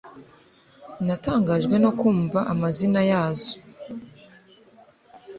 Natangajwe no kumva amazina yazo